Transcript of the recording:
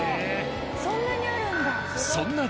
そんなにあるんだ。